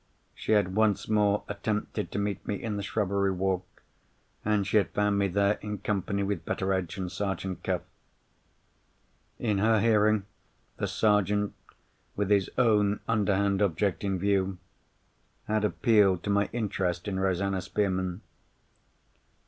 She had once more attempted to meet me in the shrubbery walk, and she had found me there in company with Betteredge and Sergeant Cuff. In her hearing, the Sergeant, with his own underhand object in view, had appealed to my interest in Rosanna Spearman.